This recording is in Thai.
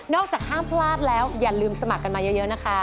จากห้ามพลาดแล้วอย่าลืมสมัครกันมาเยอะนะคะ